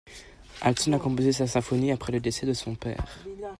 Hanson a composé sa symphonie après le décès de son père.